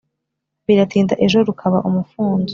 Biratinda ejo rukaba umufunzo